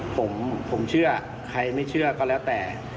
ผมเชื่อใครไม่เชื่อก็แล้วแต่